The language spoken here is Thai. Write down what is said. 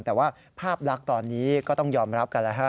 แต่ว่าภาพลักษณ์ตอนนี้ก็ต้องยอมรับกันแล้วฮะ